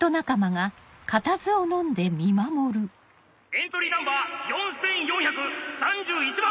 エントリーナンバー４４３１番！